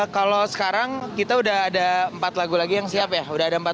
kalau sekarang kita udah ada empat lagu lagi yang siap ya